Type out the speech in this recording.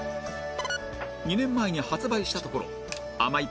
２年前に発売したところ甘い